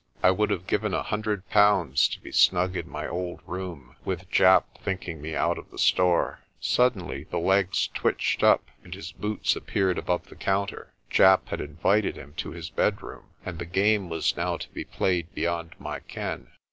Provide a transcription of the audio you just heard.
I would have given a hundred pounds to be snug in my old room with Japp thinking me out of the store. Suddenly the legs twitched up, and his boots appeared above the counter. Japp had invited him to his bedroom, and the game was now to be played beyond my ken.